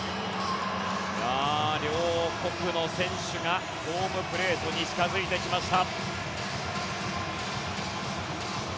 両国の選手がホームプレートに近付いてきました。